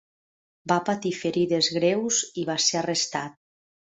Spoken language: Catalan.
Va patir ferides greus i va ser arrestat.